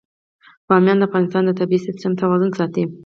بامیان د افغانستان د طبعي سیسټم توازن ساتي.